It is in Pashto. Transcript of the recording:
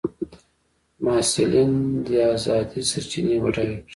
محصلین دي ازادې سرچینې بډایه کړي.